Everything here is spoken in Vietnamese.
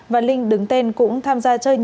và linh đứng tên cũng tham gia chơi nhiệm